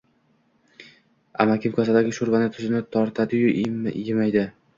Amakim kosadagi sho`rvaning tuzini tortadi-yu, emaydi